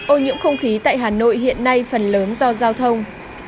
ô nhiễm không khí tại hà nội hiện nay phần lớn do giao thông